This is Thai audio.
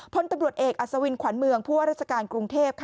พลตำรวจเอกอัศวินขวัญเมืองผู้ว่าราชการกรุงเทพ